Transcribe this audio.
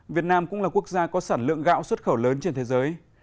việt nam cũng là quốc gia có sản lượng gạo xuất khẩu lớn trên thế giới